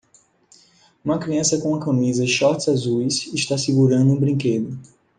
Uma criança com uma camisa e shorts azuis está segurando um brinquedo.